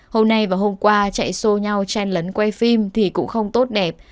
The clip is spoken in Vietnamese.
hôm nay và hôm qua chạy xô nhau chen lấn quay phim thì cũng không tốt đẹp